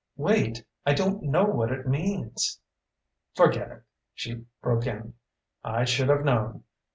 "Wait! I don't know what it means " "Forget it," she broke in. "I should have known.